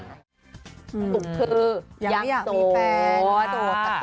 คือยังไม่อยากมีแฟน